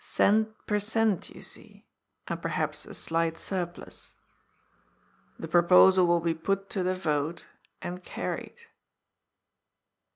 Cent, per cent., you see, and perhaps a slight surplus. The proposal will be put to the vote and carried."